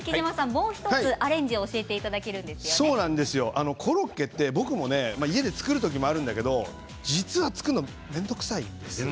もう１つアレンジをコロッケって僕も家で作る時もあるんだけど実は作るの面倒くさいです。